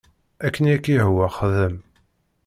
Akken i ak-yehwa xdem.